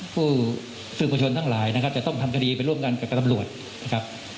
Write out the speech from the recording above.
ผู้สืบประชนทั้งหลายนะครับจะต้องทำคดีไปร่วมกันกับตำรวจนะครับ